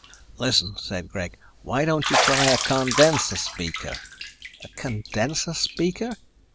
"Listen," said Greg, "why don't you try a condenser speaker." "A condenser speaker?"